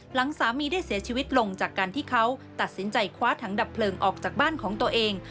หลังสามีได้เสียชีวิตลงจากการที่เขาตัดสินใจคว้าถังดับเพลิงออกจากบ้านของตัวเอง